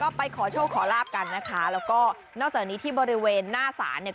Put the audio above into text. ก็ไปขอโชคขอลาบกันนะคะแล้วก็นอกจากนี้ที่บริเวณหน้าศาลเนี่ย